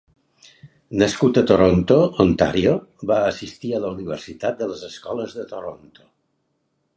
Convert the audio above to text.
Nascut a Toronto, Ontario, va assistir a la Universitat de les Escoles de Toronto.